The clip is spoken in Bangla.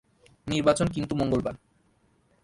নির্বাচন কিন্তু মঙ্গলবার।